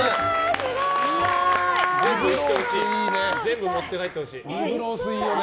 全部持って帰ってほしい。